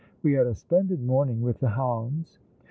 " We had a splendid morning with the hounds."